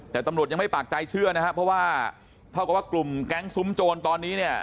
แต่ตำรวจยังไม่ปากใจเชื่อนะครับเพราะว่าเท่ากับว่ากลุ่มแก๊งซุ้มโจรตอนนี้เนี่ย